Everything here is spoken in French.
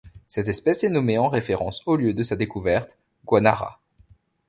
Cette espèce est nommée en référence au lieu de sa découverte, Guanaja.